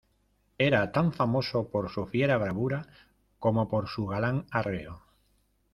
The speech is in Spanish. era tan famoso por su fiera bravura como por su galán arreo.